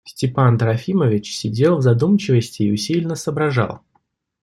Степан Трофимович сидел в задумчивости и усиленно соображал.